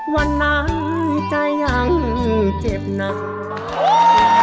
วันนั้นใจยังเจ็บใน